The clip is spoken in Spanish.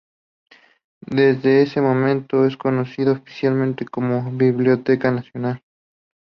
Desde ese momento es conocida oficialmente como "Biblioteca Nacional".